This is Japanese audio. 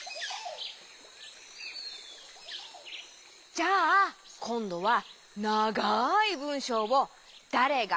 じゃあこんどはながいぶんしょうを「だれが」